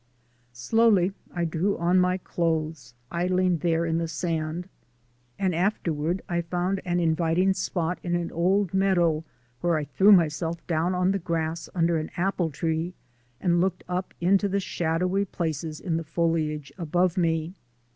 Slowly I drew on my clothes, idling there in the sand, and afterward I found an inviting spot in an old meadow where I threw myself down on the grass under an apple tree and looked up into the shadowy places in the foliage above me.